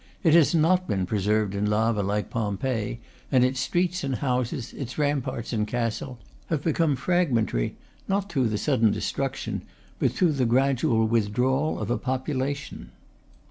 It has not been preserved in lava like Pompeii, and its streets and houses, its ramparts and castle, have become fragmentary, not through the sudden destruction, but through the gradual with drawal, of a population.